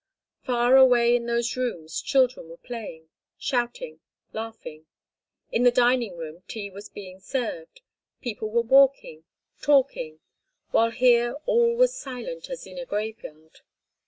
Far away in those rooms children were playing, shouting, laughing; in the dining room tea was being served; people were walking, talking—while here all was silent as in a graveyard.